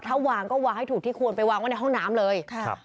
ถ้าวางก็วางให้ถูกที่ควรไปวางไว้ในห้องน้ำเลยครับ